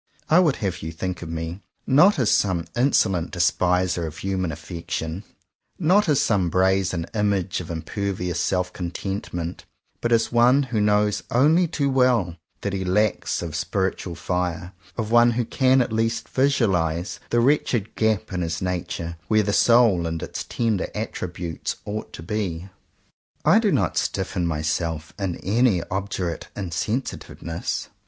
I would have you think of me not as some insolent despiser of hu 141 CONFESSIONS OF TWO BROTHERS man affection, not as some brazen image of impervious self contentment; but as one who knows only too well what he lacks of spiritual fire, of one who can at least visualize the wretched gap in his nature where the "soul" and its tender attributes ought to be. I do not stiffen myself in any obdurate in sensitiveness.